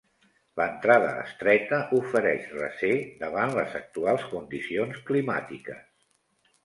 L'entrada estreta ofereix recer davant les actuals condicions climàtiques.